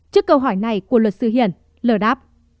trước câu hỏi này của luật sư hiền l đáp